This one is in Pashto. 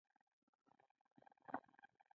پر سیندونو باندې د انسان